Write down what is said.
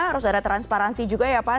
harus ada transparansi juga ya pak